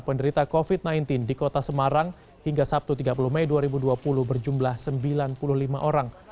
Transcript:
penderita covid sembilan belas di kota semarang hingga sabtu tiga puluh mei dua ribu dua puluh berjumlah sembilan puluh lima orang